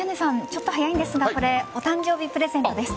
ちょっと早いんですがお誕生日プレゼントです。